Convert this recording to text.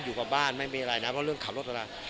อยู่กับบ้านไม่มีอะไรนะเพราะเรื่องขับรถอะไร